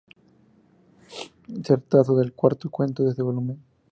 Se trata del cuarto cuento de ese volumen.